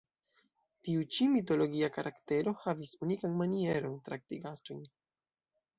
Tiu ĉi mitologia karaktero havis unikan manieron, trakti gastojn.